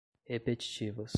repetitivas